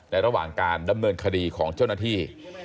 ระหว่างการดำเนินคดีของเจ้าหน้าที่